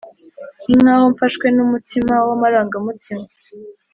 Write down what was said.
ninkaho mfashwe numutima wamarangamutima,